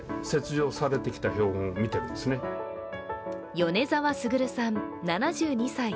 米澤傑さん７２歳。